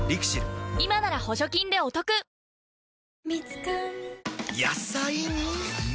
今なら補助金でお得速報です。